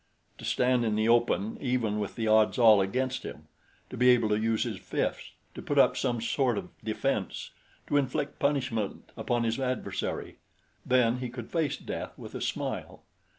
To stand in the open, even with the odds all against him; to be able to use his fists, to put up some sort of defense, to inflict punishment upon his adversary then he could face death with a smile.